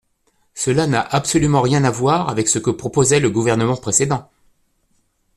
Cela n’a absolument rien à voir avec ce que proposait le gouvernement précédent.